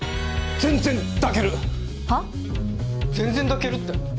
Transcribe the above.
全然抱けるって。